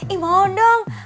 ih mau dong